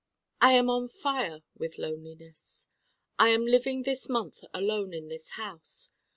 I am on fire with Loneliness. I am living this month alone in this house.